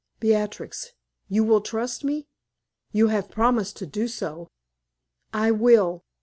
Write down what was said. Beatrix, you will trust me? You have promised to do so." "I will."